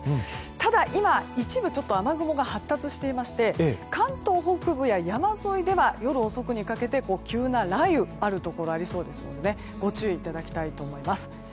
ただ今、一部ちょっと雨雲が発達していまして関東北部や山沿いでは夜遅くにかけて急な雷雨があるところがありそうですのでご注意いただきたいと思います。